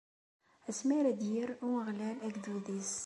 Asmi ara d-yerr Umeɣlal agdud-is.